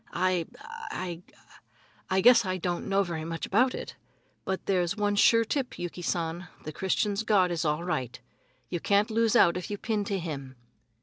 "I I I guess I don't know very much about it. But there's one sure tip, Yuki San, the Christians' God is all right. You can't lose out if you pin to him."